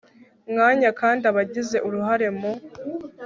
mwanya kandi abagize uruhare mu